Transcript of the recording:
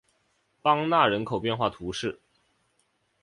邦讷人口变化图示